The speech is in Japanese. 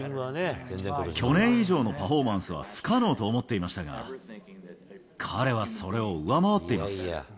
去年以上のパフォーマンスは不可能と思っていましたが、彼はそれを上回っています。